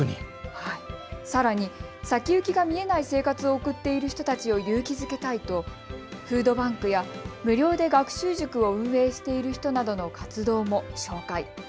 さらに、先行きが見えない生活を送っている人たちを勇気づけたいとフードバンクや無料で学習塾を運営している人などの活動も紹介。